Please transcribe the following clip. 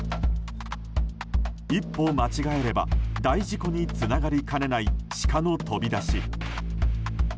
一歩間違えれば大事故につながりかねないシカの飛び出し。